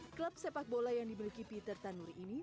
klub sepak bola yang dimiliki peter tanuri ini